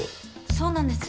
そうなんです。